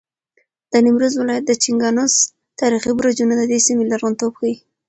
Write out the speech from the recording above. د نیمروز ولایت د چګانوس تاریخي برجونه د دې سیمې لرغونتوب ښیي.